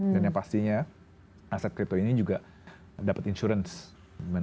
dan yang pastinya aset crypto ini juga dapat insurance